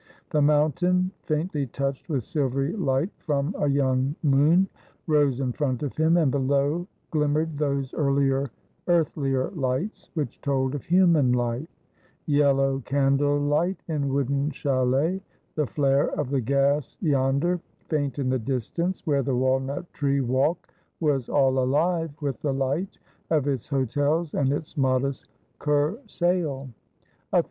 The mountain, faintly touched with silvery light from a young moon, rose in front of liim, and below glimmered those earthlier lights which told of human life — yel low candle light in wooden chalets ; the flare of the gas yonder, faint in the distance, where the walnut tree walk was all alive with the light of its hotels and its modest Kursaal. A fi.